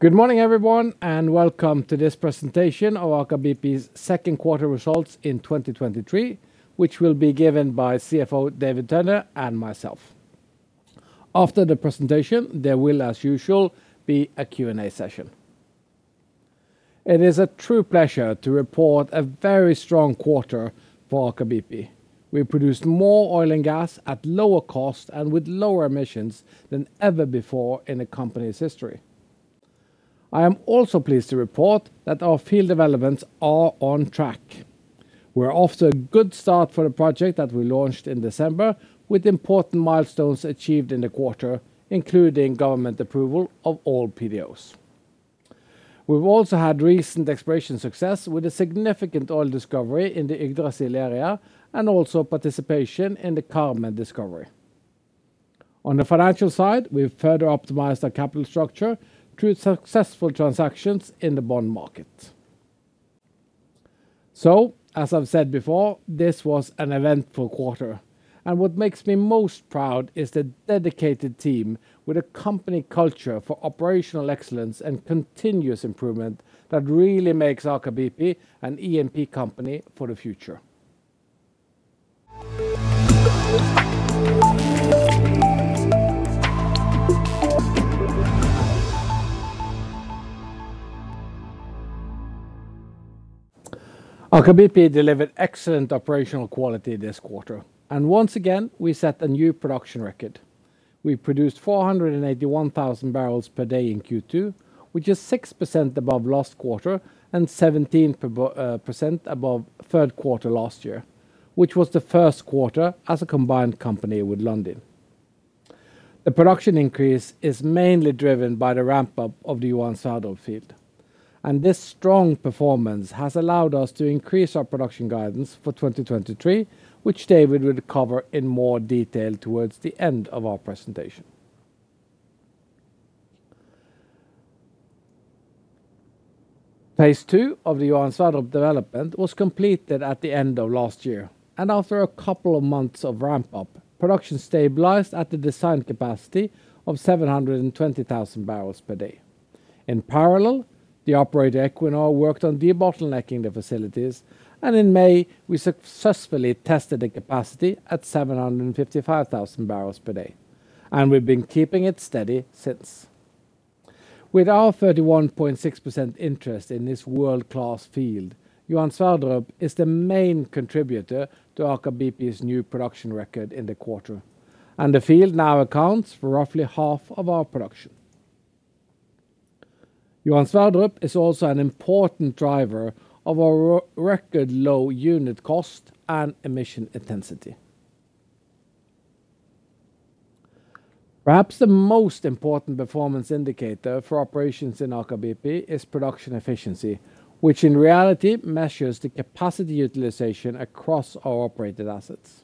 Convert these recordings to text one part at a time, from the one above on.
Good morning, everyone, and welcome to this presentation of Aker BP's second quarter results in 2023, which will be given by CFO David Tønne and myself. After the presentation, there will, as usual, be a Q&A session. It is a true pleasure to report a very strong quarter for Aker BP. We produced more oil and gas at lower cost and with lower emissions than ever before in the company's history. I am also pleased to report that our field developments are on track. We are off to a good start for the project that we launched in December, with important milestones achieved in the quarter, including government approval of all PDOs. We've also had recent exploration success with a significant oil discovery in the Yggdrasil area, and also participation in the Carmen prospect. On the financial side, we've further optimized our capital structure through successful transactions in the bond market. As I've said before, this was an eventful quarter, and what makes me most proud is the dedicated team with a company culture for operational excellence and continuous improvement that really makes Aker BP an E&P company for the future. Aker BP delivered excellent operational quality this quarter, and once again, we set a new production record. We produced 481,000 barrels per day in Q2, which is 6% above last quarter and 17% above third quarter last year, which was the first quarter as a combined company with Lundin. The production increase is mainly driven by the ramp-up of the Johan Sverdrup field. This strong performance has allowed us to increase our production guidance for 2023, which David will cover in more detail towards the end of our presentation. Phase two of the Johan Sverdrup development was completed at the end of last year. After a couple of months of ramp-up, production stabilized at the design capacity of 720,000 barrels per day. In parallel, the operator, Equinor, worked on debottlenecking the facilities. In May, we successfully tested the capacity at 755,000 barrels per day. We've been keeping it steady since. With our 31.6% interest in this world-class field, Johan Sverdrup is the main contributor to Aker BP's new production record in the quarter, and the field now accounts for roughly half of our production. Johan Sverdrup is also an important driver of our re-record low unit cost and emission intensity. Perhaps the most important performance indicator for operations in Aker BP is production efficiency, which in reality measures the capacity utilization across our operated assets.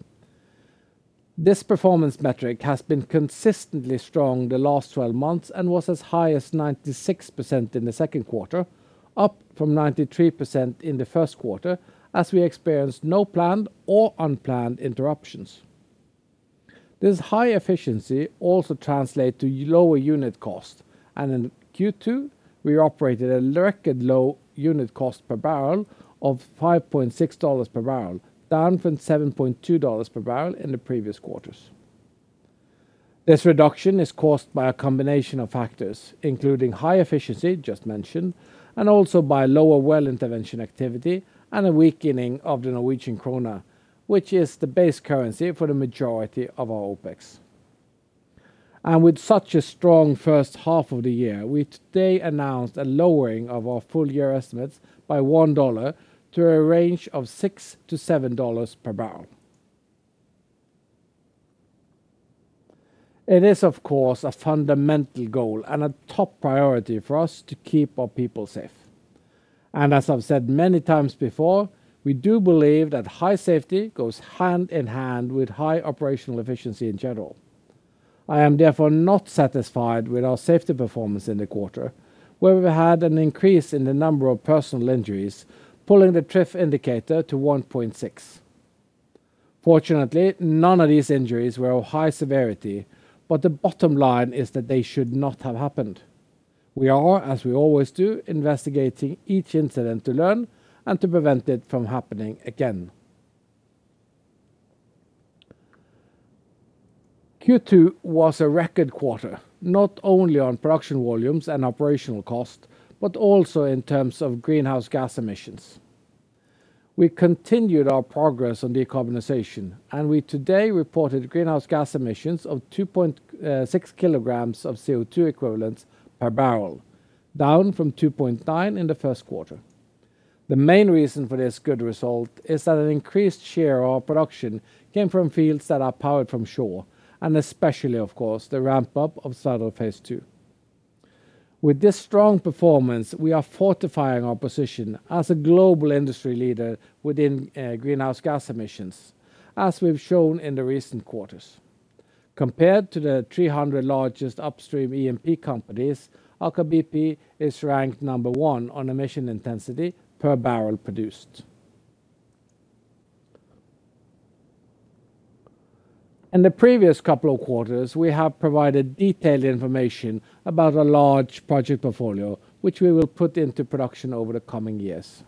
This performance metric has been consistently strong the last 12 months and was as high as 96% in the second quarter, up from 93% in the first quarter, as we experienced no planned or unplanned interruptions. This high efficiency also translate to lower unit cost. In Q2, we operated a record low unit cost per barrel of $5.6 per barrel, down from $7.2 per barrel in the previous quarters. This reduction is caused by a combination of factors, including high efficiency, just mentioned, and also by lower well intervention activity and a weakening of the Norwegian kroner, which is the base currency for the majority of our OpEx. With such a strong first half of the year, we today announced a lowering of our full year estimates by $1 to a range of $6-$7 per barrel. It is, of course, a fundamental goal and a top priority for us to keep our people safe. As I've said many times before, we do believe that high safety goes hand in hand with high operational efficiency in general. I am therefore not satisfied with our safety performance in the quarter, where we had an increase in the number of personal injuries, pulling the TRIF indicator to 1.6. Fortunately, none of these injuries were of high severity, but the bottom line is that they should not have happened. We are, as we always do, investigating each incident to learn and to prevent it from happening again. Q2 was a record quarter, not only on production volumes and operational cost, but also in terms of greenhouse gas emissions. We continued our progress on decarbonization, and we today reported greenhouse gas emissions of 2.6 kilograms of CO2 equivalents per barrel, down from 2.9 in the first quarter. The main reason for this good result is that an increased share of production came from fields that are powered from shore. Especially, of course, the ramp-up of Sverdrup Phase 2. With this strong performance, we are fortifying our position as a global industry leader within greenhouse gas emissions, as we've shown in the recent quarters. Compared to the 300 largest upstream E&P companies, Aker BP is ranked number one on emission intensity per barrel produced. In the previous couple of quarters, we have provided detailed information about a large project portfolio, which we will put into production over the coming years.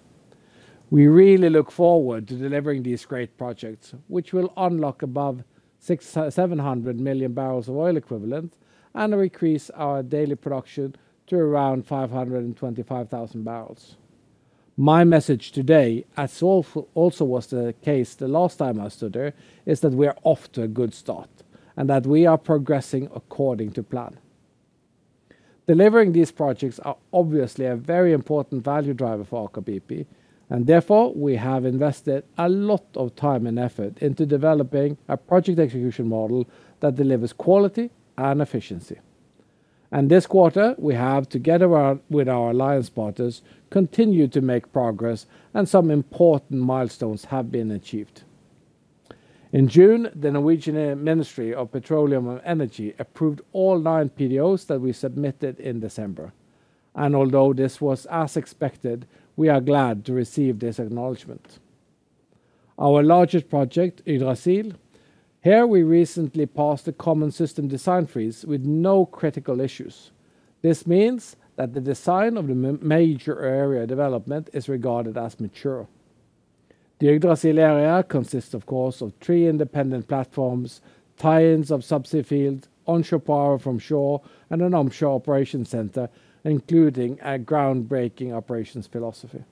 We really look forward to delivering these great projects, which will unlock above 6, 700 million barrels of oil equivalent, and increase our daily production to around 525,000 barrels. My message today, as also was the case the last time I stood here, is that we are off to a good start, and that we are progressing according to plan. Delivering these projects are obviously a very important value driver for Aker BP, and therefore, we have invested a lot of time and effort into developing a project execution model that delivers quality and efficiency. This quarter, we have, together with our alliance partners, continued to make progress, and some important milestones have been achieved. In June, the Norwegian Ministry of Petroleum and Energy approved all nine PDOs that we submitted in December, and although this was as expected, we are glad to receive this acknowledgement. Our largest project, Yggdrasil, here, we recently passed the common system design freeze with no critical issues. This means that the design of the major area development is regarded as mature. The Yggdrasil area consists, of course, of three independent platforms, tie-ins of subsea field, onshore power from shore, and an onshore operation center, including a groundbreaking operations philosophy.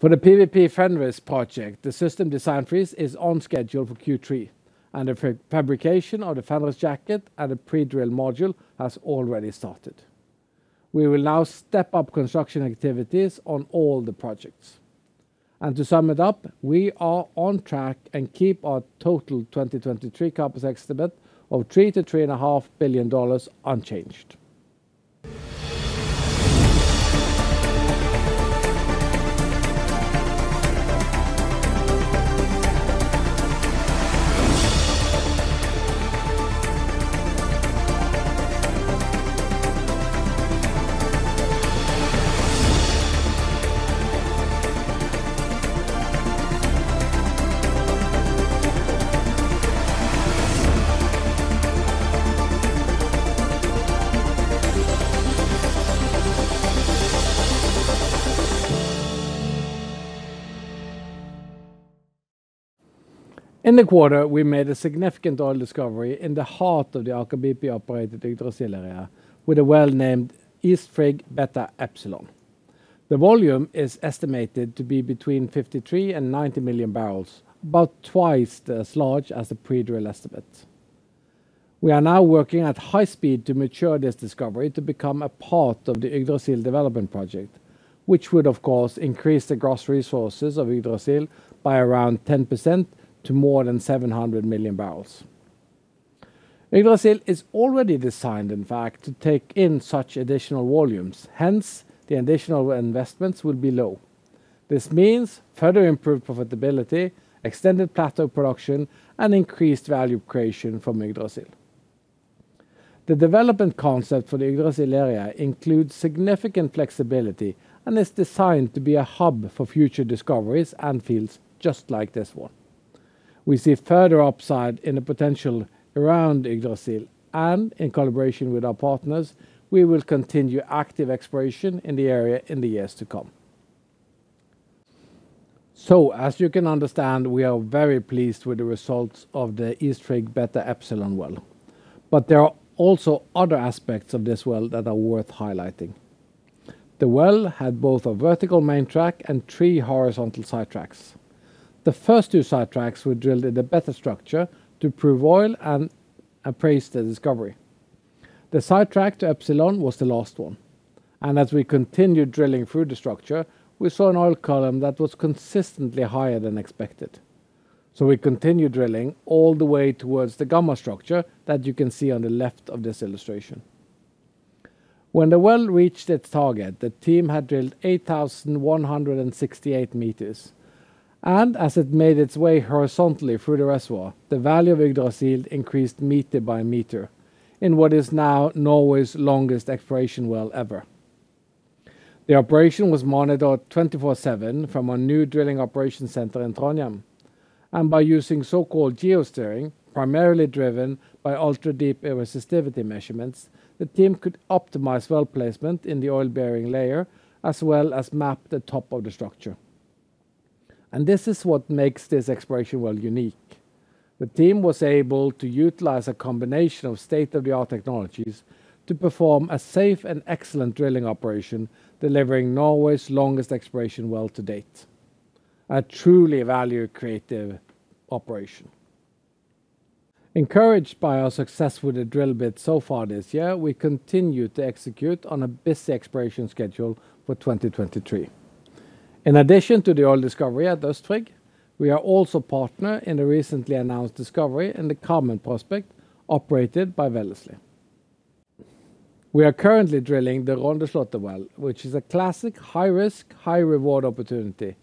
For the PWP Fenris project, the system design freeze is on schedule for Q3, and the fabrication of the Fenris jacket and the pre-drill module has already started. We will now step up construction activities on all the projects. To sum it up, we are on track and keep our total 2023 CapEx estimate of $3 billion-$3.5 billion unchanged. In the quarter, we made a significant oil discovery in the heart of the Aker BP-operated Yggdrasil area, with a well-named Øst Frigg Beta/Epsilon. The volume is estimated to be between 53 and 90 million barrels, about twice as large as the pre-drill estimate. We are now working at high speed to mature this discovery to become a part of the Yggdrasil development project, which would, of course, increase the gross resources of Yggdrasil by around 10% to more than 700 million barrels. Yggdrasil is already designed, in fact, to take in such additional volumes, hence, the additional investments will be low. This means further improved profitability, extended plateau production, and increased value creation from Yggdrasil. The development concept for the Yggdrasil area includes significant flexibility and is designed to be a hub for future discoveries and fields just like this one. We see further upside in the potential around Yggdrasil, and in collaboration with our partners, we will continue active exploration in the area in the years to come. As you can understand, we are very pleased with the results of the Øst Frigg Beta/Epsilon well. There are also other aspects of this well that are worth highlighting. The well had both a vertical main track and three horizontal sidetracks. The first two sidetracks were drilled in the beta structure to prove oil and appraise the discovery. The sidetrack to Epsilon was the last one, and as we continued drilling through the structure, we saw an oil column that was consistently higher than expected. We continued drilling all the way towards the gamma structure that you can see on the left of this illustration. When the well reached its target, the team had drilled 8,168 meters, and as it made its way horizontally through the reservoir, the value of Yggdrasil increased meter by meter in what is now Norway's longest exploration well ever. The operation was monitored 24/7 from our new drilling operation center in Trondheim, and by using so-called geosteering, primarily driven by ultra-deep resistivity measurements, the team could optimize well placement in the oil-bearing layer, as well as map the top of the structure. This is what makes this exploration well unique. The team was able to utilize a combination of state-of-the-art technologies to perform a safe and excellent drilling operation, delivering Norway's longest exploration well to date. A truly value-creative operation. Encouraged by our success with the drill bit so far this year, we continue to execute on a busy exploration schedule for 2023. In addition to the oil discovery at Øst Frigg, we are also partner in the recently announced discovery in the Carmen prospect, operated by Wellesley. We are currently drilling the Rondeslottet well, which is a classic high-risk, high-reward opportunity.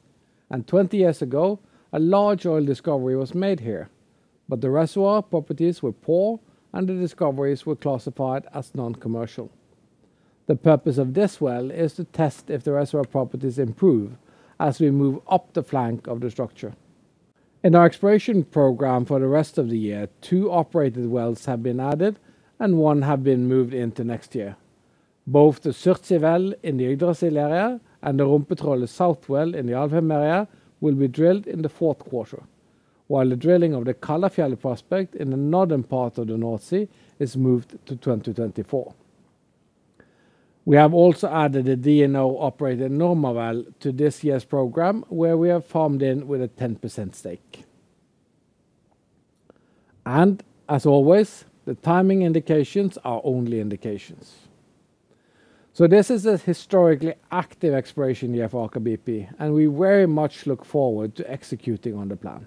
20 years ago, a large oil discovery was made here, but the reservoir properties were poor, and the discoveries were classified as non-commercial. The purpose of this well is to test if the reservoir properties improve as we move up the flank of the structure. In our exploration program for the rest of the year, two operated wells have been added and one have been moved into next year. Both the Surtsey well in the Yggdrasil area and the Rumpetroll South well in the Alvheim area will be drilled in the fourth quarter, while the drilling of the Kalvfjell prospect in the northern part of the North Sea is moved to 2024. We have also added a DNO-operated Norma well to this year's program, where we have farmed in with a 10% stake. As always, the timing indications are only indications. This is a historically active exploration year for Aker BP, and we very much look forward to executing on the plan.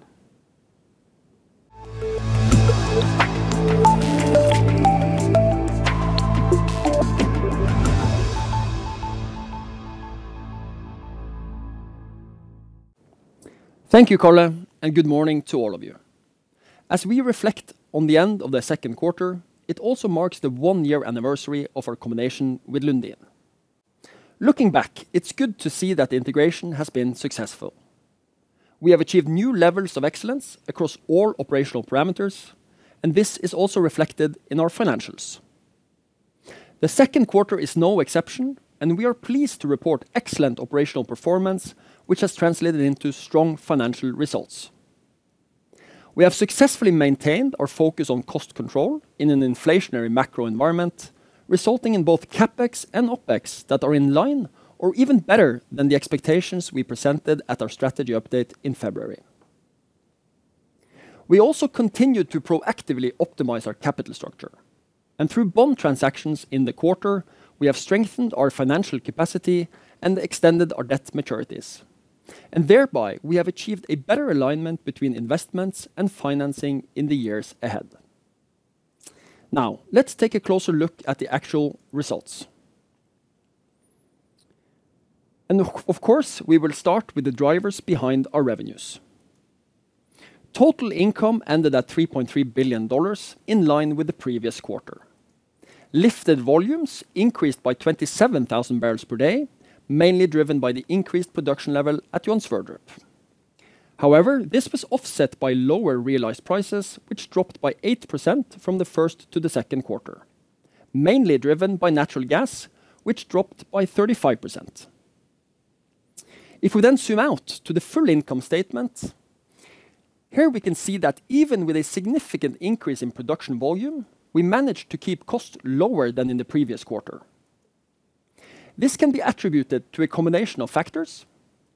Thank you, Karl, and good morning to all of you. As we reflect on the end of the second quarter, it also marks the one-year anniversary of our combination with Lundin. Looking back, it is good to see that the integration has been successful. We have achieved new levels of excellence across all operational parameters, and this is also reflected in our financials. The second quarter is no exception, and we are pleased to report excellent operational performance, which has translated into strong financial results. We have successfully maintained our focus on cost control in an inflationary macro environment, resulting in both CapEx and OpEx that are in line or even better than the expectations we presented at our strategy update in February. We also continued to proactively optimize our capital structure, and through bond transactions in the quarter, we have strengthened our financial capacity and extended our debt maturities. Thereby, we have achieved a better alignment between investments and financing in the years ahead. Now, let's take a closer look at the actual results. Of course, we will start with the drivers behind our revenues. Total income ended at $3.3 billion, in line with the previous quarter. Listed volumes increased by 27,000 barrels per day, mainly driven by the increased production level at Johan Sverdrup. This was offset by lower realized prices, which dropped by 8% from the 1st to the 2nd quarter, mainly driven by natural gas, which dropped by 35%. If we zoom out to the full income statement, here we can see that even with a significant increase in production volume, we managed to keep costs lower than in the previous quarter. This can be attributed to a combination of factors,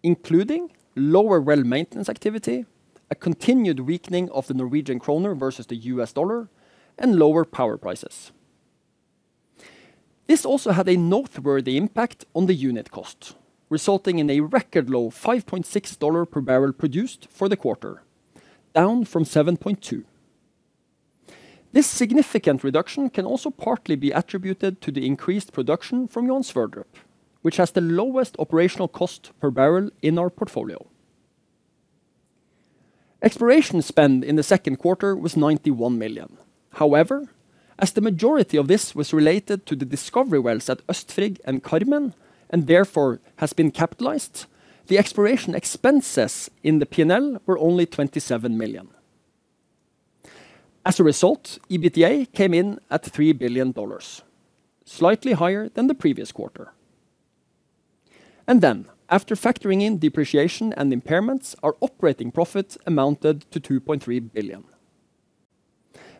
including lower well maintenance activity, a continued weakening of the Norwegian kroner versus the US dollar, and lower power prices. This also had a noteworthy impact on the unit cost, resulting in a record low $5.6 per barrel produced for the quarter, down from $7.2. This significant reduction can also partly be attributed to the increased production from Johan Sverdrup, which has the lowest operational cost per barrel in our portfolio. Exploration spend in the second quarter was $91 million. As the majority of this was related to the discovery wells at Øst Frigg and Carmen, and therefore has been capitalized, the exploration expenses in the P&L were only $27 million. EBITDA came in at $3 billion, slightly higher than the previous quarter. After factoring in depreciation and impairments, our operating profit amounted to $2.3 billion.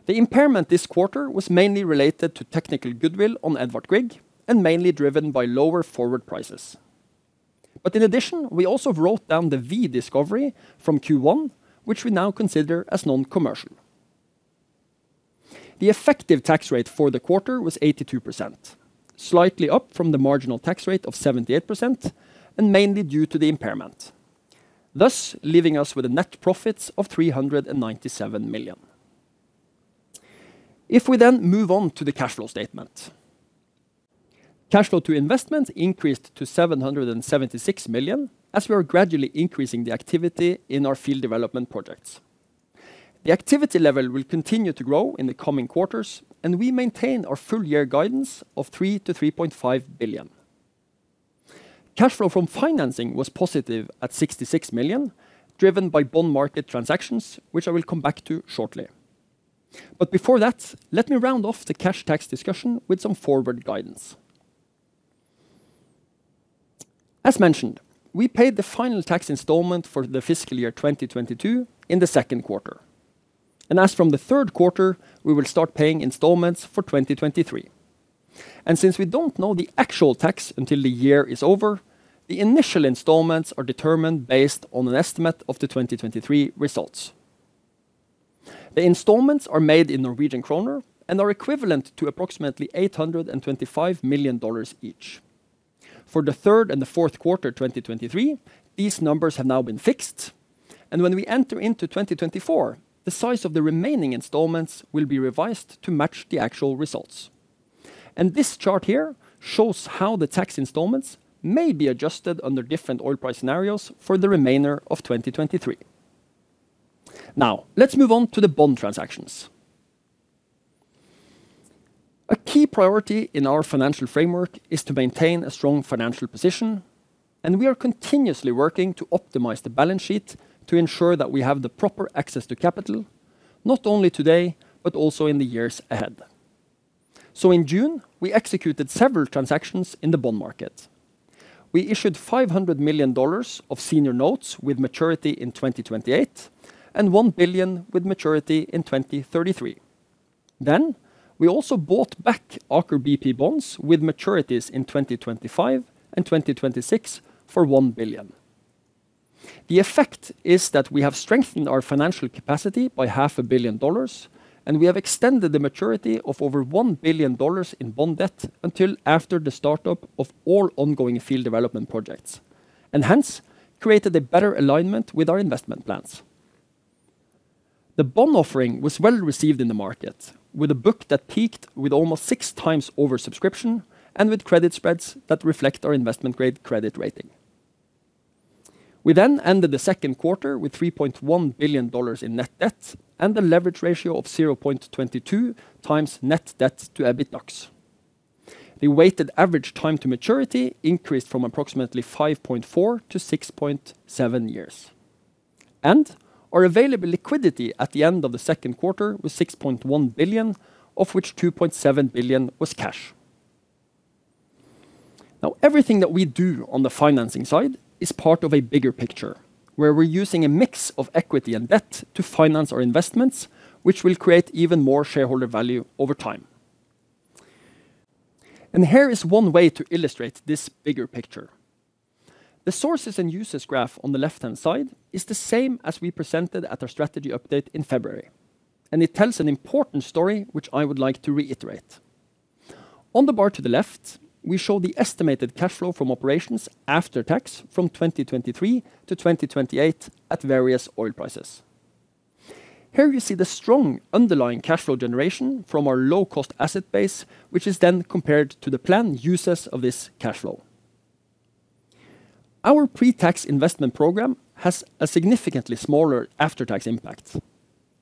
The impairment this quarter was mainly related to technical goodwill on Edvard Grieg and mainly driven by lower forward prices. In addition, we also wrote down the Ve discovery from Q1, which we now consider as non-commercial. The effective tax rate for the quarter was 82%, slightly up from the marginal tax rate of 78%, and mainly due to the impairment, thus leaving us with a net profit of $397 million. If we then move on to the cash flow statement. Cash flow to investments increased to $776 million, as we are gradually increasing the activity in our field development projects. The activity level will continue to grow in the coming quarters, and we maintain our full year guidance of $3 billion-$3.5 billion. Cash flow from financing was positive at $66 million, driven by bond market transactions, which I will come back to shortly. Before that, let me round off the cash tax discussion with some forward guidance. As mentioned, we paid the final tax installment for the fiscal year 2022 in the second quarter, and as from the third quarter, we will start paying installments for 2023. Since we don't know the actual tax until the year is over, the initial installments are determined based on an estimate of the 2023 results. The installments are made in Norwegian kroner and are equivalent to approximately $825 million each. For the third and the fourth quarter, 2023, these numbers have now been fixed, and when we enter into 2024, the size of the remaining installments will be revised to match the actual results. This chart here shows how the tax installments may be adjusted under different oil price scenarios for the remainder of 2023. Now, let's move on to the bond transactions. A key priority in our financial framework is to maintain a strong financial position, and we are continuously working to optimize the balance sheet to ensure that we have the proper access to capital, not only today, but also in the years ahead. In June, we executed several transactions in the bond market. We issued $500 million of senior notes with maturity in 2028, and $1 billion with maturity in 2033. We also bought back Aker BP bonds with maturities in 2025 and 2026 for $1 billion. The effect is that we have strengthened our financial capacity by half a billion dollars, and we have extended the maturity of over $1 billion in bond debt until after the start-up of all ongoing field development projects, and hence, created a better alignment with our investment plans. The bond offering was well-received in the market, with a book that peaked with almost six times oversubscription and with credit spreads that reflect our investment-grade credit rating. We ended the second quarter with $3.1 billion in net debt and a leverage ratio of 0.22 times net debt to EBITDAX. The weighted average time to maturity increased from approximately 5.4 to 6.7 years, and our available liquidity at the end of the second quarter was $6.1 billion, of which $2.7 billion was cash. Now, everything that we do on the financing side is part of a bigger picture, where we're using a mix of equity and debt to finance our investments, which will create even more shareholder value over time. Here is one way to illustrate this bigger picture. The sources and uses graph on the left-hand side is the same as we presented at our strategy update in February. It tells an important story, which I would like to reiterate. On the bar to the left, we show the estimated cash flow from operations after tax from 2023-2028 at various oil prices. Here you see the strong underlying cash flow generation from our low-cost asset base, which is then compared to the planned uses of this cash flow. Our pre-tax investment program has a significantly smaller after-tax impact.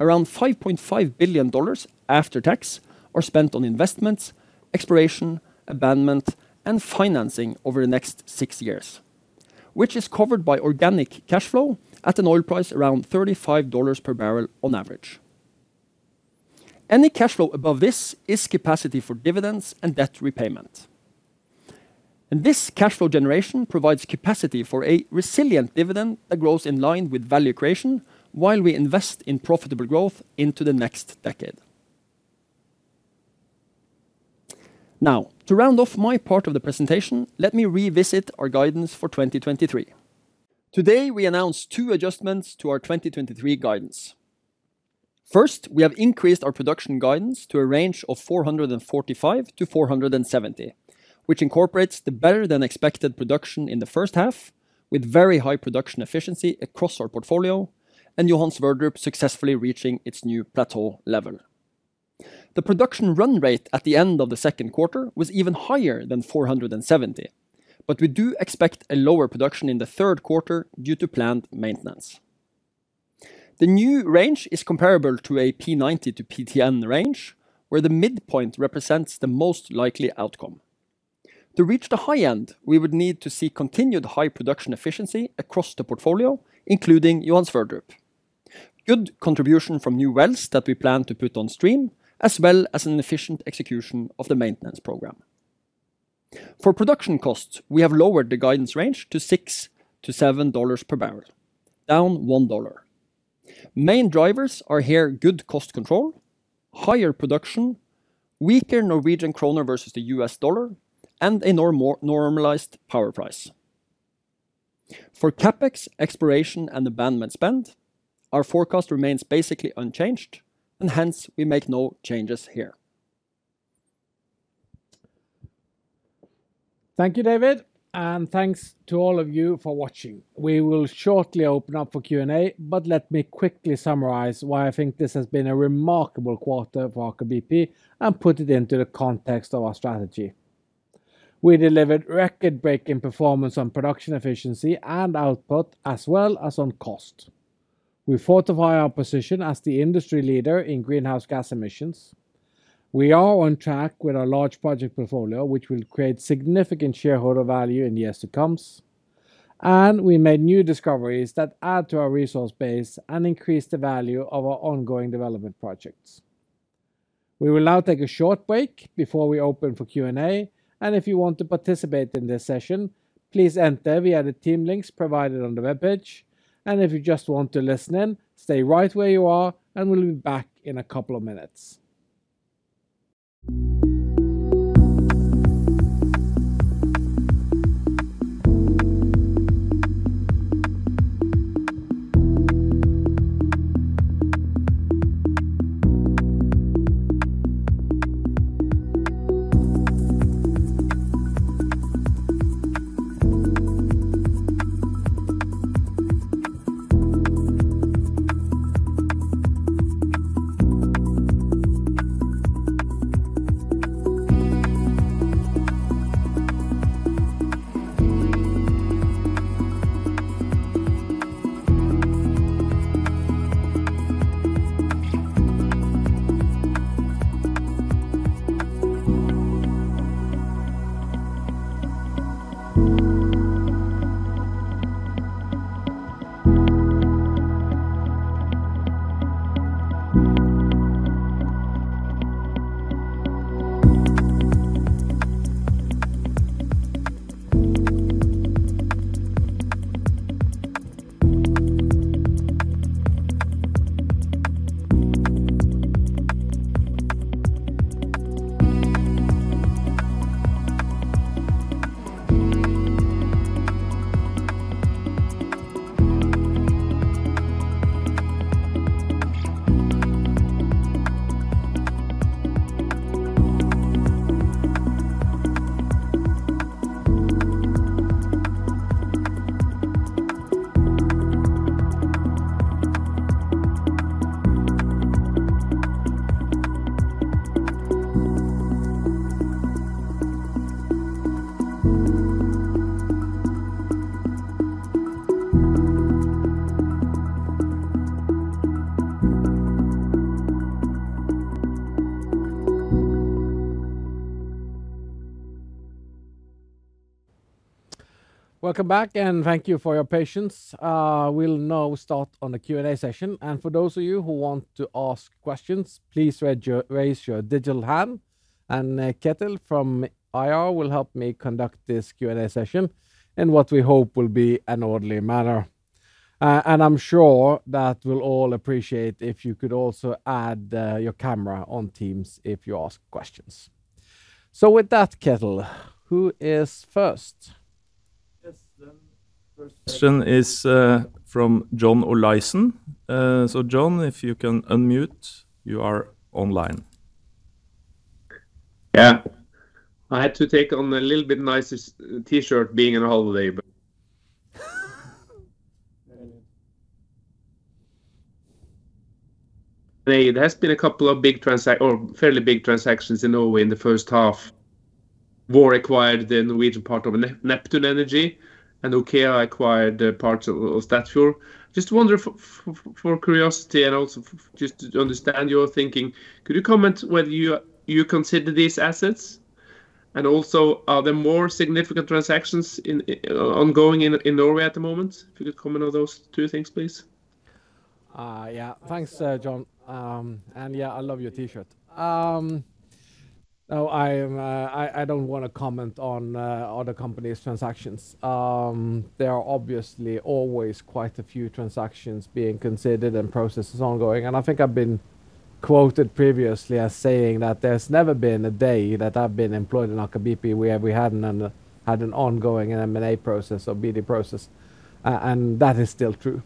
Around $5.5 billion after tax are spent on investments, exploration, abandonment, and financing over the next 6 years, which is covered by organic cash flow at an oil price around $35 per barrel on average. Any cash flow above this is capacity for dividends and debt repayment. This cash flow generation provides capacity for a resilient dividend that grows in line with value creation while we invest in profitable growth into the next decade. To round off my part of the presentation, let me revisit our guidance for 2023. Today, we announced 2 adjustments to our 2023 guidance. First, we have increased our production guidance to a range of 445 to 470, which incorporates the better-than-expected production in the first half, with very high production efficiency across our portfolio, and Johan Sverdrup successfully reaching its new plateau level. The production run rate at the end of the second quarter was even higher than 470, we do expect a lower production in the third quarter due to planned maintenance. The new range is comparable to a P90 to P10 range, where the midpoint represents the most likely outcome. To reach the high end, we would need to see continued high production efficiency across the portfolio, including Johan Sverdrup. Good contribution from new wells that we plan to put on stream, as well as an efficient execution of the maintenance program. For production costs, we have lowered the guidance range to $6-$7 per barrel, down $1. Main drivers are here, good cost control, higher production, weaker Norwegian kroner versus the US dollar, and a normalized power price. For CapEx exploration and abandonment spend, our forecast remains basically unchanged, and hence, we make no changes here. Thank you, David. Thanks to all of you for watching. We will shortly open up for Q&A. Let me quickly summarize why I think this has been a remarkable quarter for Aker BP and put it into the context of our strategy. We delivered record-breaking performance on production efficiency and output, as well as on cost. We fortify our position as the industry leader in greenhouse gas emissions. We are on track with our large project portfolio, which will create significant shareholder value in the years to come. We made new discoveries that add to our resource base and increase the value of our ongoing development projects. We will now take a short break before we open for Q&A. If you want to participate in this session, please enter via the team links provided on the webpage. If you just want to listen in, stay right where you are, and we'll be back in a couple of minutes. Welcome back, thank you for your patience. We'll now start on the Q&A session. For those of you who want to ask questions, please raise your digital hand, Kjetil from IR will help me conduct this Q&A session in what we hope will be an orderly manner. I'm sure that we'll all appreciate if you could also add your camera on Teams if you ask questions. With that, Kjetil, who is first? Yes, the first question is from John Olaisen. John, if you can unmute, you are online. Yeah. I had to take on a little bit nicer T-shirt, being on holiday. There has been a couple of big or fairly big transactions in Norway in the first half. Vår acquired the Norwegian part of Neptune Energy, and OKEA acquired the parts of Statfjord. Just wonder for curiosity and also just to understand your thinking, could you comment whether you consider these assets? Also, are there more significant transactions ongoing in Norway at the moment? If you could comment on those two things, please. Yeah. Thanks, John. Yeah, I love your T-shirt. No, I don't want to comment on other companies' transactions. There are obviously always quite a few transactions being considered and processes ongoing, and I think I've been quoted previously as saying that there's never been a day that I've been employed in Aker BP where we hadn't had an ongoing M&A process or BD process, and that is still true.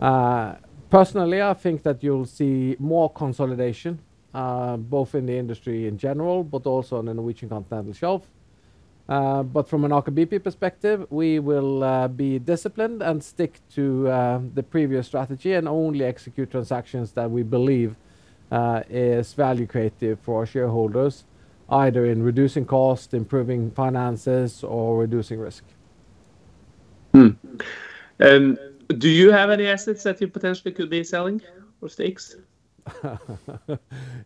Personally, I think that you'll see more consolidation, both in the industry in general, but also on the Norwegian Continental Shelf. From an Aker BP perspective, we will be disciplined and stick to the previous strategy and only execute transactions that we believe is value creative for our shareholders, either in reducing cost, improving finances, or reducing risk. Do you have any assets that you potentially could be selling or stakes?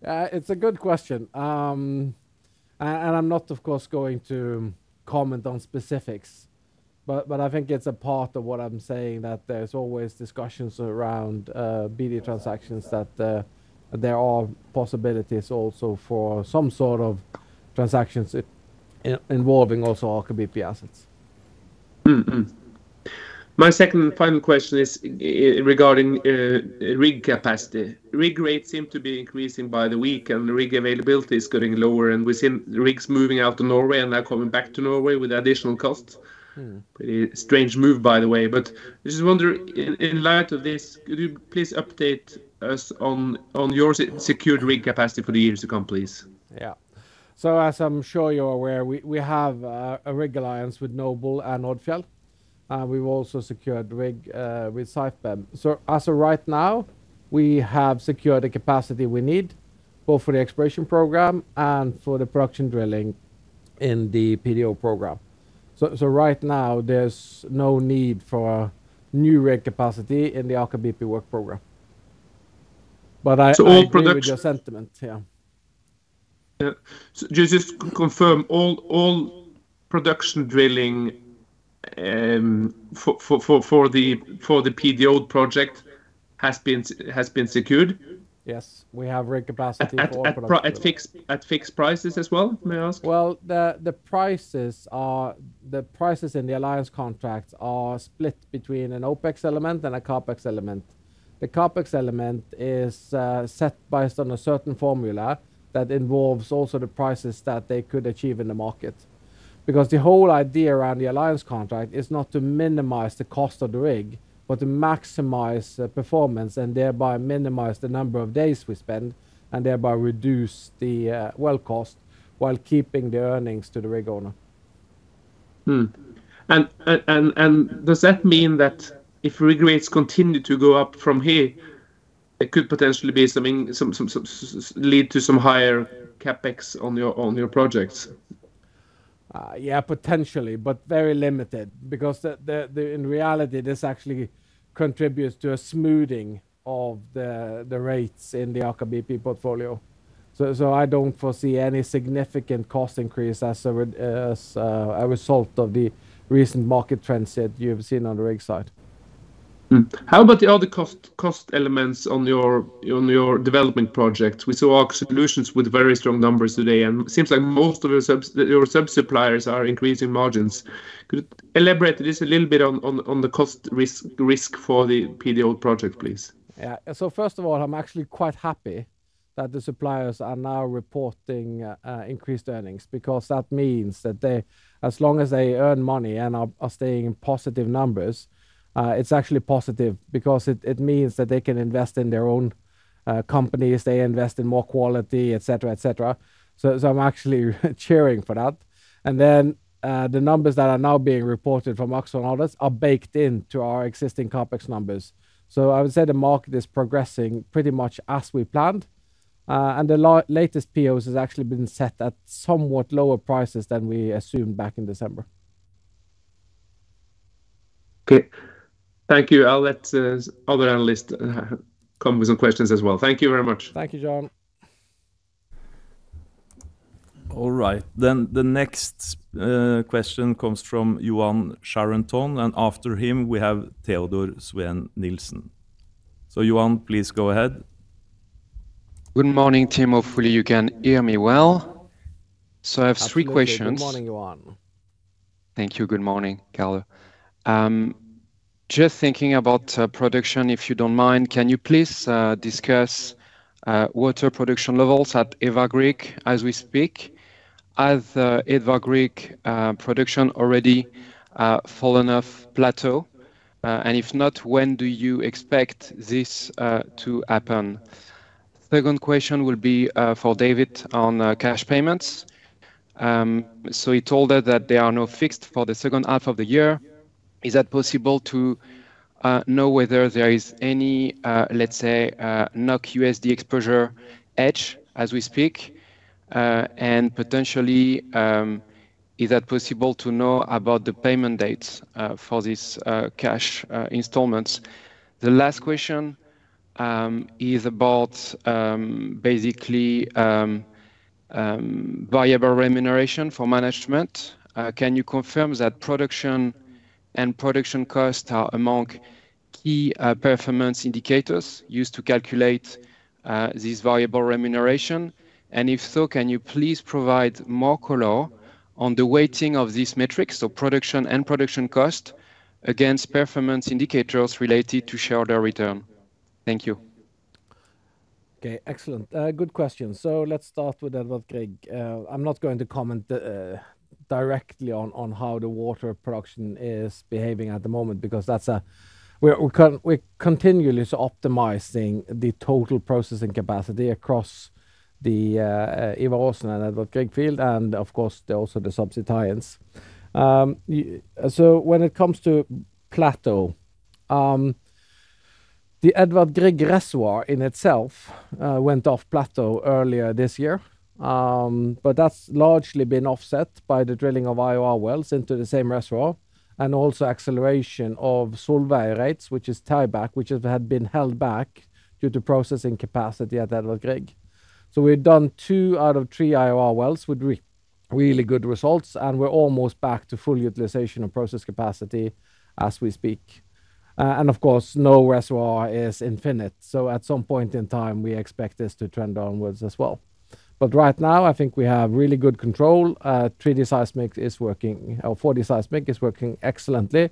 It's a good question. I'm not, of course, going to comment on specifics, but I think it's a part of what I'm saying, that there's always discussions around BD transactions, that there are possibilities also for some sort of transactions involving also Aker BP assets. My second and final question is, regarding rig capacity. Rig rates seem to be increasing by the week, the rig availability is getting lower, we're seeing rigs moving out to Norway and now coming back to Norway with additional costs. Mm-hmm. Pretty strange move, by the way, I just wonder, in light of this, could you please update us on your secured rig capacity for the years to come, please? Yeah. As I'm sure you're aware, we have a rig alliance with Noble and Odfjell, and we've also secured rig with Saipem. As of right now, we have secured the capacity we need, both for the exploration program and for the production drilling in the PDO program. Right now, there's no need for new rig capacity in the Aker BP work program. All products. agree with your sentiment. Yeah. Yeah. Just to confirm, all production drilling for the PDO project has been secured? Yes. We have rig capacity for production. At fixed prices as well, may I ask? Well, the prices in the alliance contracts are split between an OpEx element and a CapEx element. The CapEx element is set based on a certain formula that involves also the prices that they could achieve in the market. Because the whole idea around the alliance contract is not to minimize the cost of the rig, but to maximize the performance, and thereby minimize the number of days we spend, and thereby reduce the well cost while keeping the earnings to the rig owner. Does that mean that if rig rates continue to go up from here?... it could potentially be something, some lead to some higher CapEx on your projects? Yeah, potentially, but very limited because the in reality, this actually contributes to a smoothing of the rates in the Aker BP portfolio. I don't foresee any significant cost increase as a result of the recent market trends that you've seen on the rig side. Hmm. How about the other cost elements on your development project? We saw Aker Solutions with very strong numbers today. It seems like most of your sub-suppliers are increasing margins. Could you elaborate this a little bit on the cost risk for the PDO project, please? First of all, I'm actually quite happy that the suppliers are now reporting increased earnings because that means that they, as long as they earn money and are staying in positive numbers, it's actually positive because it means that they can invest in their own companies, they invest in more quality, et cetera, et cetera. I'm actually cheering for that. The numbers that are now being reported from Aker and others are baked into our existing CapEx numbers. I would say the market is progressing pretty much as we planned. The latest POs has actually been set at somewhat lower prices than we assumed back in December. Okay. Thank you. I'll let other analysts come with some questions as well. Thank you very much. Thank you, John. All right, the next question comes from Johan Charenton. After him, we have Teodor Sveen-Nilsen. Johan, please go ahead. Good morning, team. Hopefully, you can hear me well. I have three questions. Absolutely. Good morning, Johan. Thank you. Good morning, Karl. Just thinking about production, if you don't mind, can you please discuss water production levels at Edvard Grieg as we speak? Has Edvard Grieg production already fallen off plateau? If not, when do you expect this to happen? Second question will be for David on cash payments. You told us that there are no fixed for the second half of the year. Is that possible to know whether there is any, let's say, NOK-USD exposure edge as we speak? Potentially, is that possible to know about the payment dates for this cash installments? The last question is about basically variable remuneration for management. Can you confirm that production and production costs are among key performance indicators used to calculate this variable remuneration? If so, can you please provide more color on the weighting of this metric, so production and production cost, against performance indicators related to shareholder return? Thank you. Okay, excellent. Good question. Let's start with Edvard Grieg. I'm not going to comment directly on how the water production is behaving at the moment, because we're continually optimizing the total processing capacity across the Ivar Aasen and Edvard Grieg field, and of course, also the sub-tie-ins. When it comes to plateau, the Edvard Grieg reservoir in itself went off plateau earlier this year. That's largely been offset by the drilling of IOR wells into the same reservoir, and also acceleration of Solveig rates, which is tieback, which had been held back due to processing capacity at Edvard Grieg. We've done 2 out of 3 IOR wells with really good results, and we're almost back to full utilization of process capacity as we speak. Of course, no reservoir is infinite, so at some point in time, we expect this to trend onwards as well. Right now, I think we have really good control. 3D seismic is working, or 4D seismic is working excellently,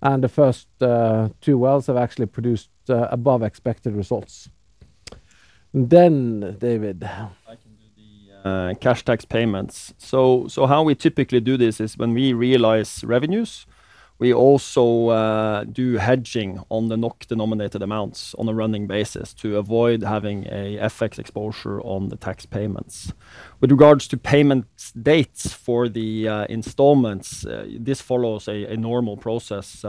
and the first, two wells have actually produced, above-expected results. David. I can do the cash tax payments. How we typically do this is when we realize revenues, we also do hedging on the NOK-denominated amounts on a running basis to avoid having a FX exposure on the tax payments. With regards to payments dates for the installments, this follows a normal process,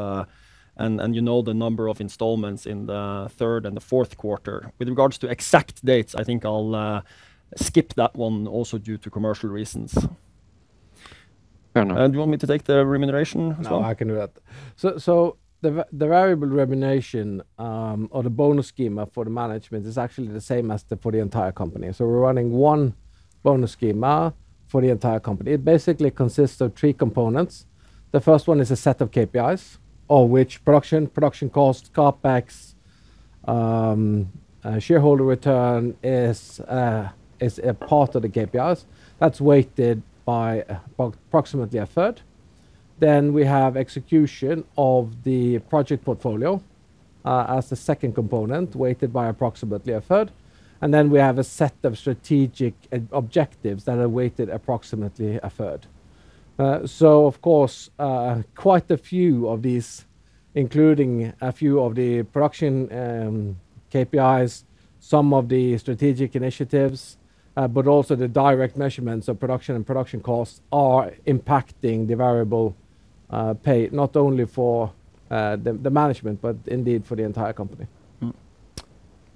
and you know the number of installments in the third and the fourth quarter. With regards to exact dates, I think I'll skip that one also due to commercial reasons. Fair enough. Do you want me to take the remuneration as well? No, I can do that. The variable remuneration, or the bonus schema for the management is actually the same as the for the entire company. We're running 1 bonus schema for the entire company. It basically consists of 3 components. The first one is a set of KPIs, of which production cost, CapEx, shareholder return is a part of the KPIs. That's weighted by approximately a third. We have execution of the project portfolio as the second component, weighted by approximately a third. We have a set of strategic objectives that are weighted approximately a third. Of course, quite a few of these, including a few of the production, KPIs, some of the strategic initiatives, but also the direct measurements of production and production costs are impacting the variable pay not only for the management, but indeed for the entire company.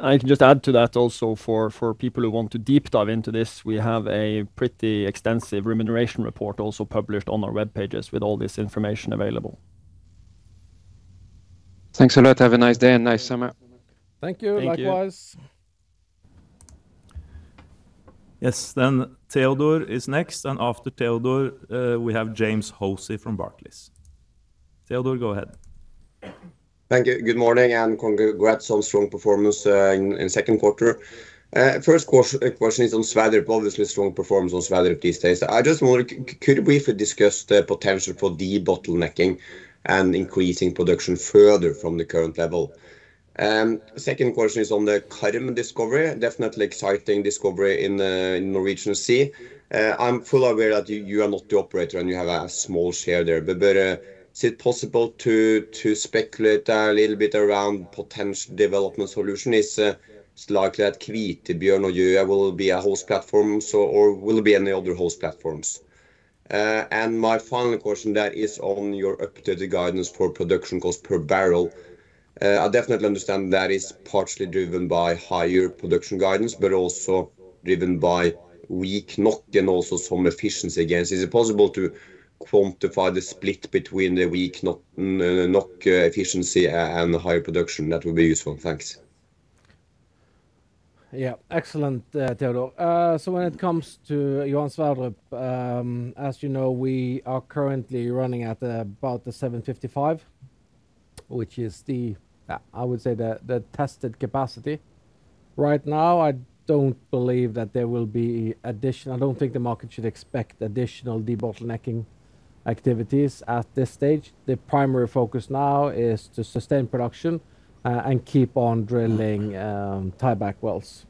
I can just add to that also for people who want to deep dive into this, we have a pretty extensive remuneration report also published on our web pages with all this information available. Thanks a lot. Have a nice day, and nice summer. Thank you. Thank you. Likewise. Yes, Teodor is next. After Teodor, we have James Hosie from Barclays. Teodor, go ahead. Thank you. Good morning, congrats on strong performance in second quarter. First question is on Sverdrup. Obviously, strong performance on Sverdrup these days. I just wonder, could we briefly discuss the potential for debottlenecking and increasing production further from the current level? Second question is on the current discovery. Definitely exciting discovery in the Norwegian Sea. I'm fully aware that you are not the operator, and you have a small share there. Is it possible to speculate a little bit around potential development solution? Is likely that Kvitebjørn will be a host platform or will it be any other host platforms? My final question there is on your updated guidance for production cost per barrel. I definitely understand that is partially driven by higher production guidance, but also driven by weak NOK and also some efficiency gains. Is it possible to quantify the split between the weak NOK efficiency and high production? That would be useful. Thanks. Yeah, excellent, Teodor. When it comes to Johan Sverdrup, as you know, we are currently running at about 755, which is the I would say, the tested capacity. Right now, I don't think the market should expect additional debottlenecking activities at this stage. The primary focus now is to sustain production and keep on drilling tieback wells.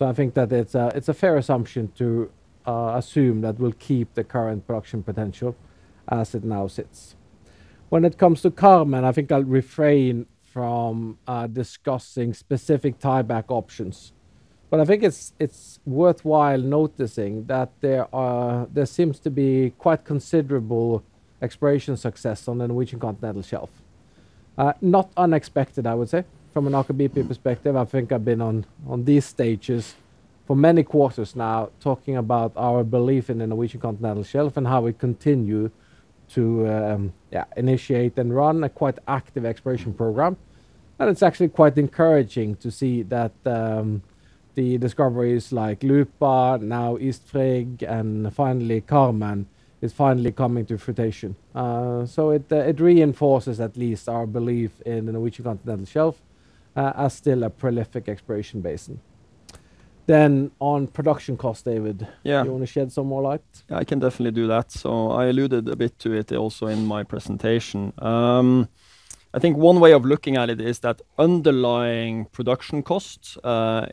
I think that it's a fair assumption to assume that we'll keep the current production potential as it now sits. When it comes to Carmen, I think I'll refrain from discussing specific tieback options. I think it's worthwhile noticing that there seems to be quite considerable exploration success on the Norwegian Continental Shelf. Not unexpected, I would say, from an Aker BP perspective. I think I've been on these stages for many quarters now, talking about our belief in the Norwegian Continental Shelf and how we continue to, yeah, initiate and run a quite active exploration program. It's actually quite encouraging to see that the discoveries like Lupa, now Øst Frigg, and finally, Carmen, is finally coming to fruition. It, it reinforces at least our belief in the Norwegian Continental Shelf as still a prolific exploration basin. On production cost, David- Yeah. Do you want to shed some more light? I can definitely do that. I alluded a bit to it also in my presentation. I think one way of looking at it is that underlying production costs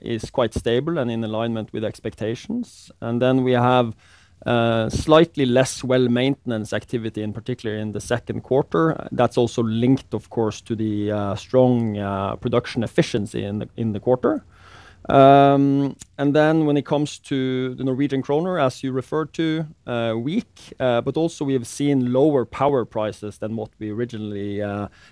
is quite stable and in alignment with expectations. Then we have slightly less well maintenance activity, in particular, in the second quarter. That's also linked, of course, to the strong production efficiency in the quarter. When it comes to the Norwegian kroner, as you referred to, weak, but also we have seen lower power prices than what we originally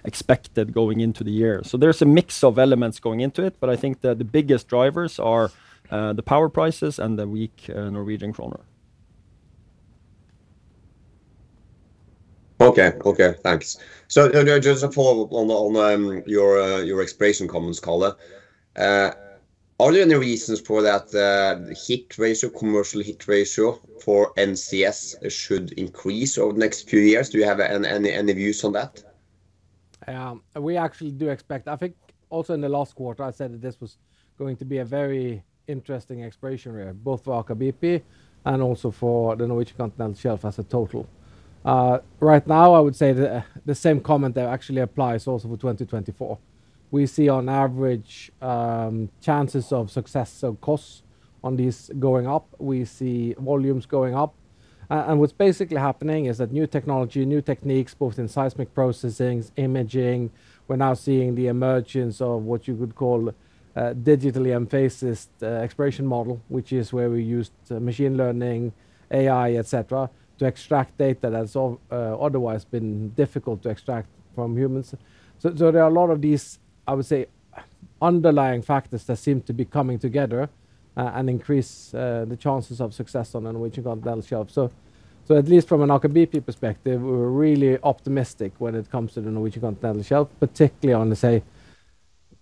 expected going into the year. There's a mix of elements going into it, but I think that the biggest drivers are the power prices and the weak Norwegian kroner. Okay. Okay, thanks. Just a follow-up on the on your exploration comments, Karl. Are there any reasons for that hit ratio, commercial hit ratio for NCS should increase over the next few years? Do you have any views on that? We actually do expect. I think also in the last quarter, I said that this was going to be a very interesting exploration year, both for Aker BP and also for the Norwegian Continental Shelf as a total. Right now, I would say the same comment there actually applies also for 2024. We see on average, chances of success, so costs on these going up, we see volumes going up. What's basically happening is that new technology, new techniques, both in seismic processings, imaging, we're now seeing the emergence of what you would call a digitally emphasis exploration model, which is where we use machine learning, AI, et cetera, to extract data that's otherwise been difficult to extract from humans. There are a lot of these, I would say, underlying factors that seem to be coming together, and increase the chances of success on the Norwegian Continental Shelf. At least from an Aker BP perspective, we're really optimistic when it comes to the Norwegian Continental Shelf, particularly on, say,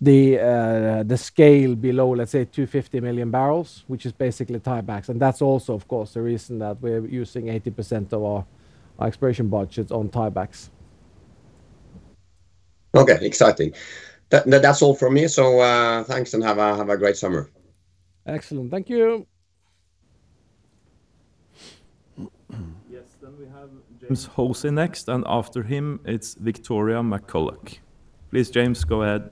the scale below, let's say, 250 million barrels, which is basically tiebacks. That's also, of course, the reason that we're using 80% of our exploration budget on tiebacks. Okay, exciting. That's all from me. Thanks, and have a great summer. Excellent. Thank you. Yes. We have James Hosie next, and after him, it's Victoria McCulloch. Please, James, go ahead.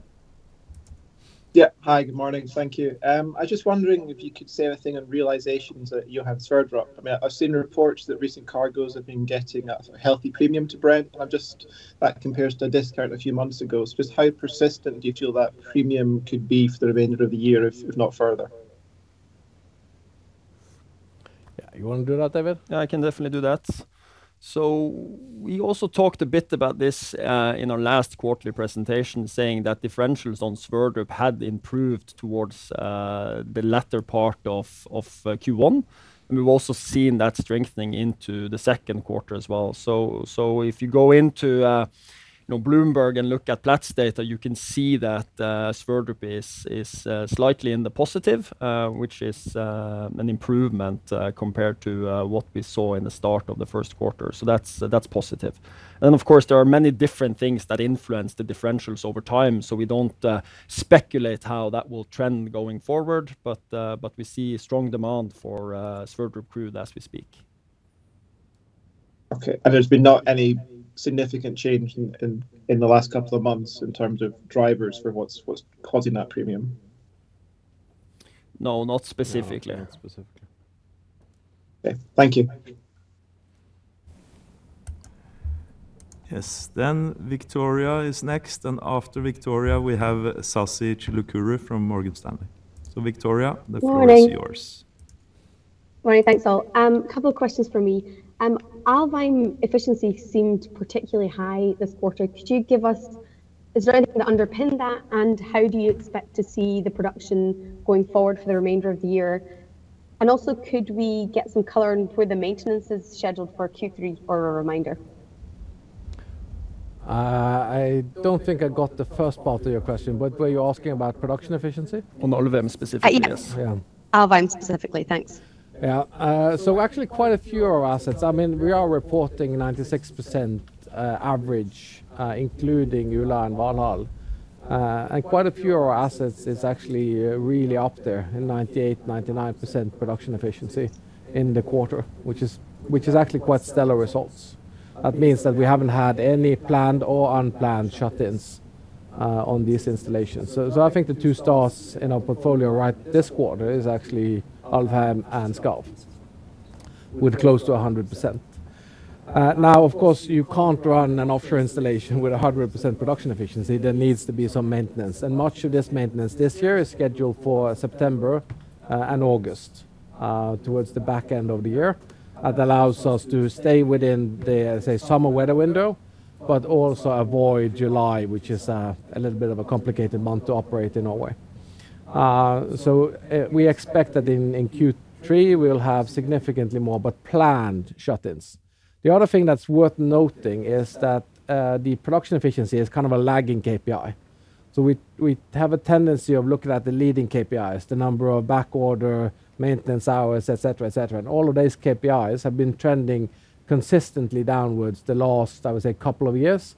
Yeah. Hi, good morning. Thank you. I was just wondering if you could say anything on realizations at Johan Sverdrup. I mean, I've seen reports that recent cargoes have been getting a healthy premium to Brent, that compares to a discount a few months ago. Just how persistent do you feel that premium could be for the remainder of the year, if not further? Yeah, you wanna do that, Kjetil? Yeah, I can definitely do that. We also talked a bit about this in our last quarterly presentation, saying that differentials on Sverdrup had improved towards the latter part of Q1, and we've also seen that strengthening into the second quarter as well. If you go into, you know, Bloomberg and look at that data, you can see that Sverdrup is slightly in the positive, which is an improvement compared to what we saw in the start of the first quarter. That's positive. Of course, there are many different things that influence the differentials over time, so we don't speculate how that will trend going forward. We see strong demand for Sverdrup crude as we speak. Okay. There's been not any significant change in the last couple of months in terms of drivers for what's causing that premium? No, not specifically. No, not specifically. Okay. Thank you. Yes. Victoria is next, and after Victoria, we have Sasikanth Chilukuru from Morgan Stanley. Victoria, the floor is yours. Morning. Morning, thanks, all. A couple of questions for me. Alvheim efficiency seemed particularly high this quarter. Is there anything to underpin that, and how do you expect to see the production going forward for the remainder of the year? Also, could we get some color on where the maintenance is scheduled for Q3 for a reminder? I don't think I got the first part of your question, but were you asking about production efficiency? On Alvheim specifically, yes. Yeah. Yeah. Alvheim specifically. Thanks. Actually quite a few of our assets. I mean, we are reporting 96% average, including Ula and Valhall. Quite a few of our assets is actually really up there in 98%-99% production efficiency in the quarter, which is actually quite stellar results. That means that we haven't had any planned or unplanned shut-ins on these installations. I think the two stars in our portfolio right this quarter is actually Alvheim and Skarv, with close to 100%. Of course, you can't run an offshore installation with 100% production efficiency. There needs to be some maintenance, much of this maintenance this year is scheduled for September and August towards the back end of the year. That allows us to stay within the, say, summer weather window, but also avoid July, which is a little bit of a complicated month to operate in Norway. We expect that in Q3, we'll have significantly more, but planned shut-ins. The other thing that's worth noting is that the production efficiency is kind of a lagging KPI. We have a tendency of looking at the leading KPIs, the number of backorder, maintenance hours, et cetera, et cetera. All of those KPIs have been trending consistently downwards the last, I would say, couple of years.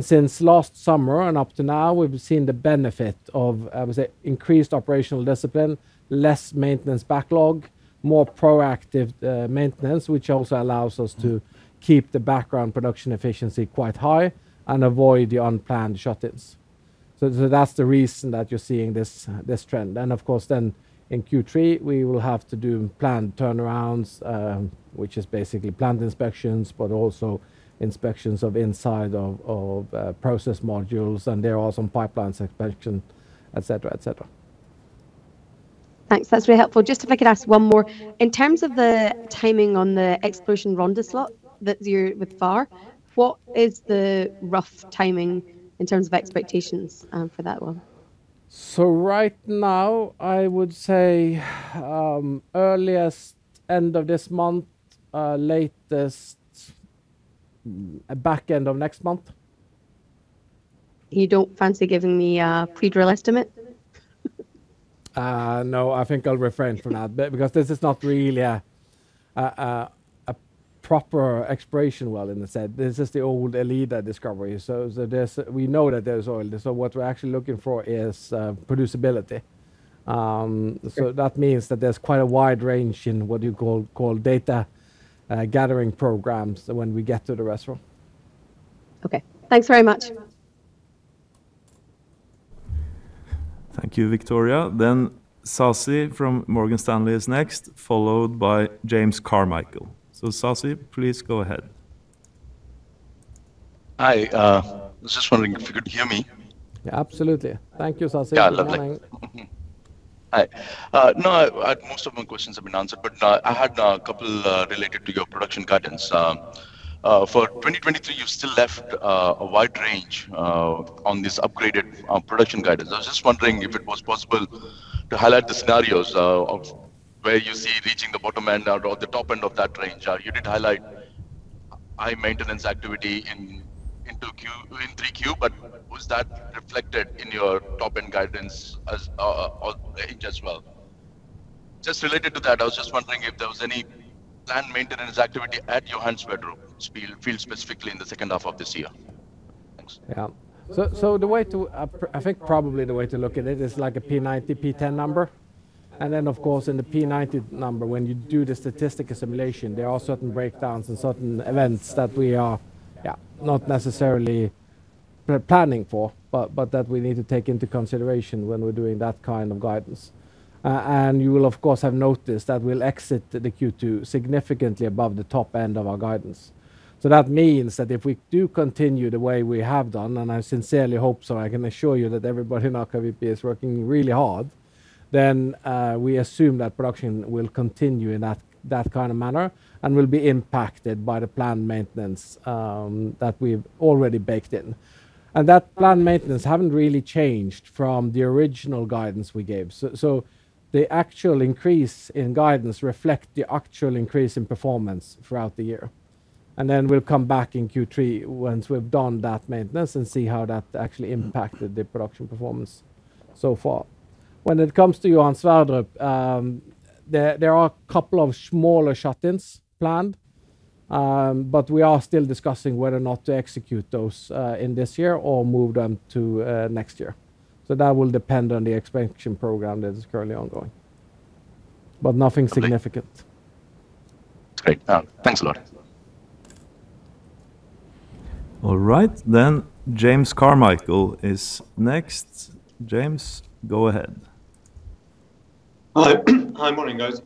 Since last summer and up to now, we've seen the benefit of, I would say, increased operational discipline, less maintenance backlog, more proactive maintenance, which also allows us to keep the background production efficiency quite high and avoid the unplanned shut-ins. That's the reason that you're seeing this trend. Of course, then in Q3, we will have to do planned turnarounds, which is basically planned inspections, but also inspections of inside of process modules, and there are some pipelines inspection, et cetera, et cetera. Thanks. That's very helpful. Just if I could ask one more. In terms of the timing on the exploration round slot that you're with APA, what is the rough timing in terms of expectations for that one? Right now, I would say, earliest, end of this month, latest, back end of next month. You don't fancy giving me a pre-drill estimate? No, I think I'll refrain from that because this is not really a proper exploration well, in a sense. This is the old Alida discovery. There's, we know that there's oil, so what we're actually looking for is producibility. Okay... that means that there's quite a wide range in what you call data gathering programs when we get to the well. Okay. Thanks very much. Thank you, Victoria. Sasi from Morgan Stanley is next, followed by James Carmichael. Sasi, please go ahead. Hi, I was just wondering if you could hear me. Yeah, absolutely. Thank you, Sasi. Yeah, lovely. Hi, no, most of my questions have been answered, but I had a couple related to your production guidance. For 2023, you've still left a wide range on this upgraded production guidance. I was just wondering if it was possible to highlight the scenarios of where you see reaching the bottom end or the top end of that range. You did highlight high maintenance activity in 3Q, but was that reflected in your top-end guidance as or range as well? Just related to that, I was just wondering if there was any planned maintenance activity at Johan Sverdrup field specifically in the second half of this year. Thanks. The way to, I think probably the way to look at it is like a P90, P10 number. Then, of course, in the P90 number, when you do the statistic assimilation, there are certain breakdowns and certain events that we are, yeah, not necessarily planning for, but that we need to take into consideration when we're doing that kind of guidance. You will, of course, have noticed that we'll exit the Q2 significantly above the top end of our guidance. That means that if we do continue the way we have done, and I sincerely hope so, I can assure you that everybody in Aker BP is working really hard. Then, we assume that production will continue in that kind of manner, and will be impacted by the planned maintenance that we've already baked in. That planned maintenance haven't really changed from the original guidance we gave. The actual increase in guidance reflect the actual increase in performance throughout the year, and then we'll come back in Q3 once we've done that maintenance and see how that actually impacted the production performance so far. When it comes to Johan Sverdrup, there are a couple of smaller shut-ins planned, but we are still discussing whether or not to execute those in this year or move them to next year. That will depend on the expansion program that is currently ongoing. Nothing significant. Great. Thanks a lot. All right. James Carmichael is next. James, go ahead. Hello. Hi, morning, guys.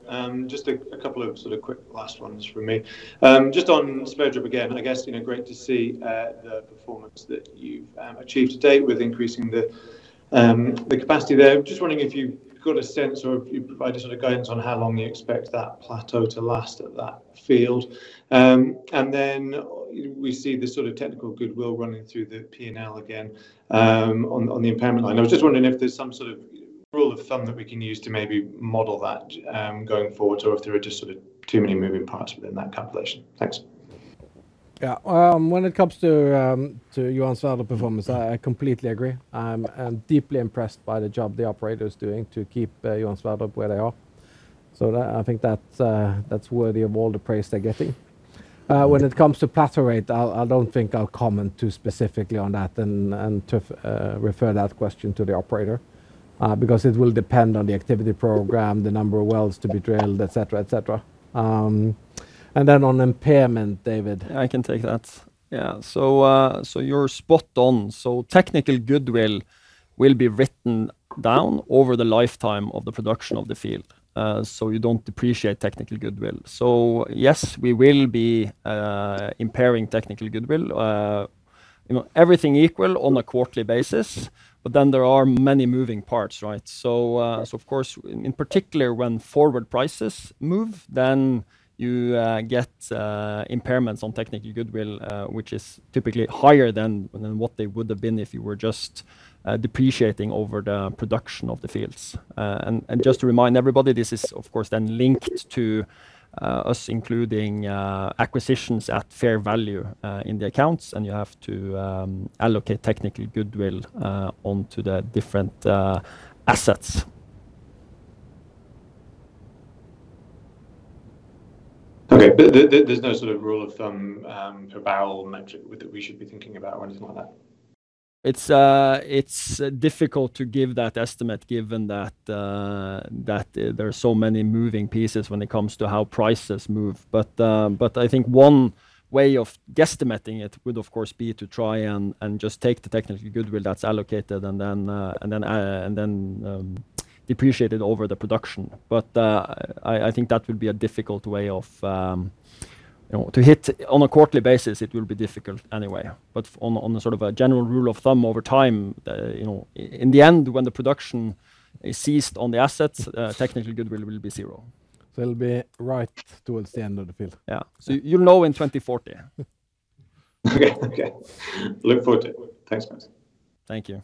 Just a couple of sort of quick last ones from me. Just on Sverdrup again, I guess, you know, great to see the performance that you've achieved to date with increasing the capacity there. Just wondering if you've got a sense or if you've provided sort of guidance on how long you expect that plateau to last at that field? Then we see the sort of technical goodwill running through the P&L again on the impairment line. I was just wondering if there's some sort of rule of thumb that we can use to maybe model that going forward, or if there are just sort of too many moving parts within that calculation. Thanks. Yeah. When it comes to Johan Sverdrup performance, I completely agree. I'm deeply impressed by the job the operator is doing to keep Johan Sverdrup where they are. That, I think that's worthy of all the praise they're getting. When it comes to plateau rate, I don't think I'll comment too specifically on that and to refer that question to the operator, because it will depend on the activity program, the number of wells to be drilled, et cetera, et cetera. Then on impairment, David? I can take that. Yeah, you're spot on. Technical goodwill will be written down over the lifetime of the production of the field. You don't depreciate technical goodwill. Yes, we will be impairing technical goodwill. You know, everything equal on a quarterly basis, but then there are many moving parts, right? Of course, in particular, when forward prices move, then you get impairments on technical goodwill, which is typically higher than what they would have been if you were just depreciating over the production of the fields. Just to remind everybody, this is, of course, then linked to us including acquisitions at fair value in the accounts, and you have to allocate technical goodwill onto the different assets. Okay. There's no sort of rule of thumb, per barrel metric that we should be thinking about or anything like that? It's, it's difficult to give that estimate, given that there are so many moving pieces when it comes to how prices move. I think one way of guesstimating it would, of course, be to try and just take the technical goodwill that's allocated and then depreciate it over the production. I think that would be a difficult way of... You know, to hit on a quarterly basis, it will be difficult anyway. On a sort of a general rule of thumb over time, you know, in the end, when the production is ceased on the assets, technical goodwill will be zero. It'll be right toward the end of the field. Yeah. You'll know in 2040. Okay. Okay. Look forward to it. Thanks, guys. Thank you.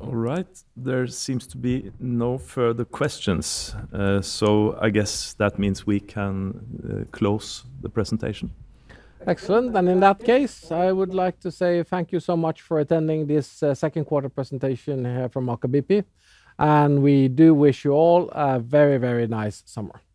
All right. There seems to be no further questions. I guess that means we can close the presentation. Excellent. In that case, I would like to say thank you so much for attending this second quarter presentation from Aker BP. We do wish you all a very, very nice summer.